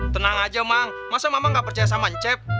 tenang aja bang masa mama gak percaya sama ncep